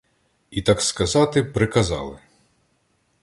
І так сказати приказали: